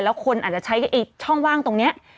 แล้วคนอาจจะใช้ช่องว่างตรงนี้